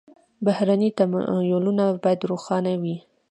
بهرني تمویلونه باید روښانه وي.